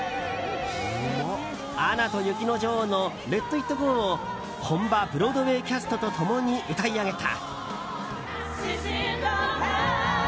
「アナと雪の女王」の「ＬｅｔＩｔＧｏ」を本場ブロードウェーキャストと共に歌い上げた。